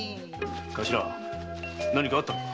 頭何かあったのか？